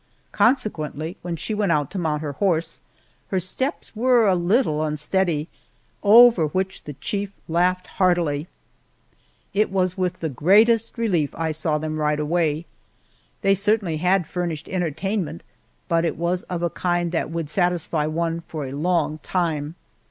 Consequently, when she went out to mount her horse her steps were a little unsteady, over which the chief laughed heartily. It was with the greatest relief I saw them ride away. They certainly had furnished entertainment, but it was of a kind that would satisfy one for a long time.